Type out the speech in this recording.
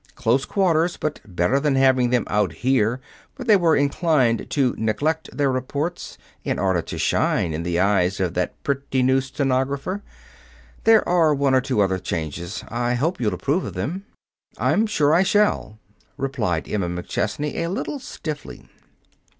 Close quarters, but better than having them out here where they were inclined to neglect their reports in order to shine in the eyes of that pretty new stenographer. There are one or two other changes. I hope you'll approve of them." "I'm sure I shall," replied Emma McChesney, a little stiffly.